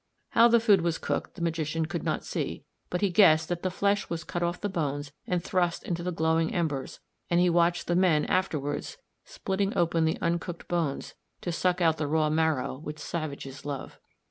How the food was cooked the magician could not see, but he guessed that the flesh was cut off the bones and thrust in the glowing embers, and he watched the men afterwards splitting open the uncooked bones to suck out the raw marrow which savages love.